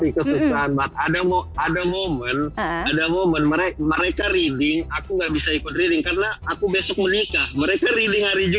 pasti kesusahan mbak ada momen mereka reading aku gak bisa ikut reading karena aku besok menikah mereka reading hari ini ya